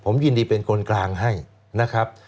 ผมยินดีเป็นคนกลางให้นะครับ